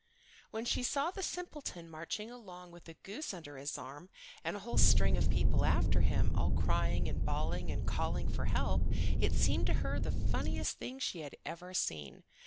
When she saw the simpleton marching along with a goose under his arm and a whole string of people after him, all crying and bawling and calling for help, it seemed to her the funniest thing she had ever seen.